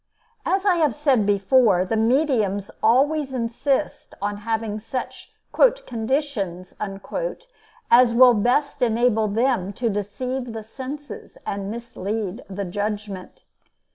As I have said before, the mediums always insist on having such "conditions" as will best enable them to deceive the senses and mislead the judgment.